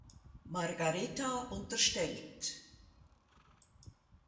Margaretha unterstellt.